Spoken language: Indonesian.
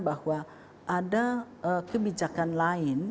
bahwa ada kebijakan lain